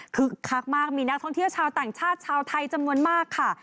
คักมากมีนักท่องเที่ยวชาวต่างชาติชาวไทยจำนวนมากค่ะ